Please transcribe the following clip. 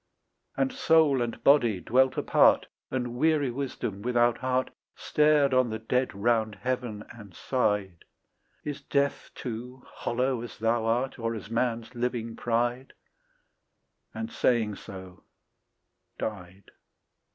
And soul and body dwelt apart; And weary wisdom without heart Stared on the dead round heaven and sighed, "Is death too hollow as thou art, Or as man's living pride?" And saying so died.